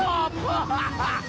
アハハハハ！